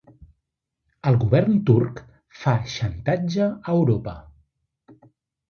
El govern turc fa xantatge a Europa